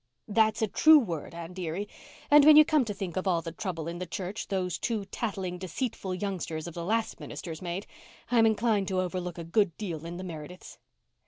"That's a true word, Anne dearie, and when you come to think of all the trouble in the church those two tattling, deceitful youngsters of the last minister's made, I'm inclined to overlook a good deal in the Merediths."